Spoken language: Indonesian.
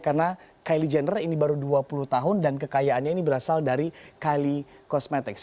karena kylie jenner ini baru dua puluh tahun dan kekayaannya ini berasal dari kylie cosmetics